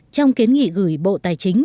trong kiến nghị gửi bộ tài chính